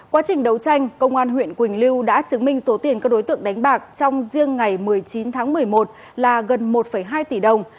quá trình đấu tranh công an huyện quỳnh lưu đã chứng minh số tiền các đối tượng đánh bạc trong riêng ngày một mươi chín tháng một mươi một là gần một hai tỷ đồng